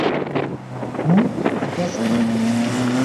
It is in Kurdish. Hûn bi dest dixin.